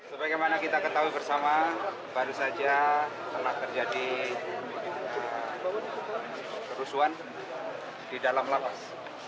sebagaimana kita ketahui bersama baru saja telah terjadi kerusuhan di dalam lapas